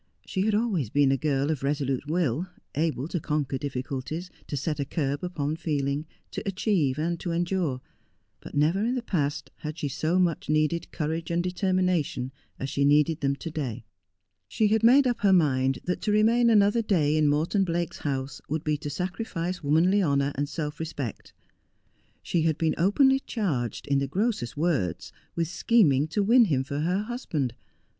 She had always been a girl of resolute will, able to conquer difficulties, to set a curb upon feeling, to achieve and to endure ; but never in the past had she so much needed courage and determination as she needed them to day. She had made up her mind that to remain another day in Morton Blake's house would be to sacrifice womanly honour and self respect. She had been openly charged, in the grossest words, with scheming to win him for her husband.